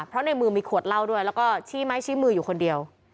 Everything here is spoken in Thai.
เพราะในมือมีขวดเหล้าด้วยแล้วก็ชี้ไม้ชี้มืออยู่คนเดียว